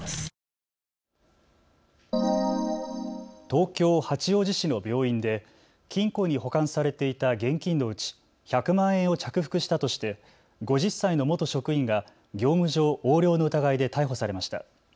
東京八王子市の病院で金庫に保管されていた現金のうち１００万円を着服したとして５０歳の元職員が業務上横領の疑いで逮捕されました。